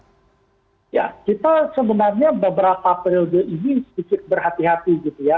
ya kita sebenarnya beberapa periode ini sedikit berhati hati gitu ya